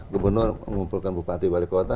gubernur mengumpulkan bupati wali kota